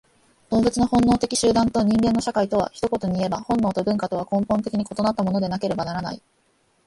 動物の本能的集団と人間の社会とは、一言にいえば本能と文化とは根本的に異なったものでなければならない。